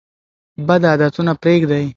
بد عادتونه پریږدئ.